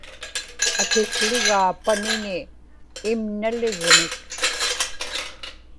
atikłigaa paniñi imnaligmik